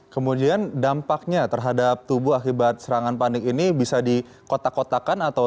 kemudian dampaknya terhadap tubuh akibat serangan panik ini bisa dikotak kotakan atau